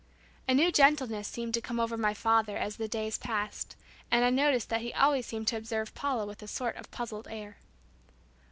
A new gentleness seemed to come over my father as the days passed, and I noticed that he always seemed to observe Paula with a sort of puzzled air.